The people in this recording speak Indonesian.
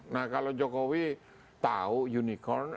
nah kalau jokowi tahu unicorn